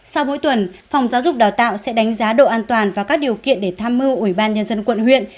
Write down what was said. sau mỗi tuần phòng giáo dục đào tạo sẽ đánh giá độ an toàn và các điều kiện để tham mưu ủy ban nhân dân quận huyện